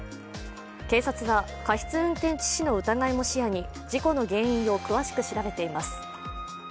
警察は、過失運転致死の疑いも視野に事故の原因を詳しく調べています。